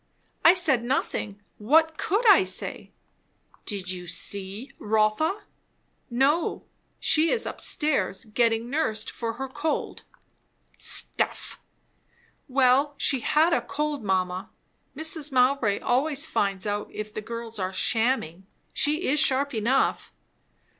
"I said nothing. What could I say?" "Did you see Rotha?" "No; she is up stairs, getting nursed for her cold." "Stuff!" "Well, she had a cold, mamma. Mrs. Mowbray always finds out if the girls are shamming. She is sharp enough."